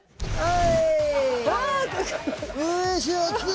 はい。